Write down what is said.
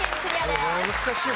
難しい。